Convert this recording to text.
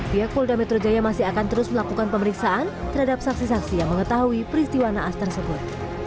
pihak polda metro jaya masih akan terus melakukan pemeriksaan terhadap saksi saksi yang mengetahui peristiwa naas tersebut